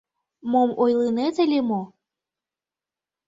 — Мом ойлынет ыле мо?